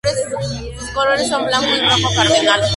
Sus colores son blanco y rojo cardenal.